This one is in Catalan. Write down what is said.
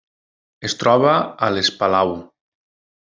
Es troba a les Palau.